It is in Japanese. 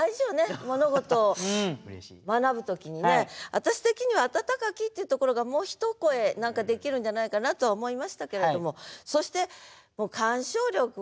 私的には「あたたかき」っていうところがもう一声何かできるんじゃないかなとは思いましたけれども。